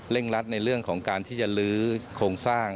รัดในเรื่องของการที่จะลื้อโครงสร้าง